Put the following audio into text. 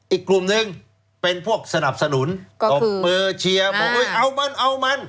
อีกกลุ่มนึงเป็นพวกสนับสนุนตบเปอร์เชียร์เอามัน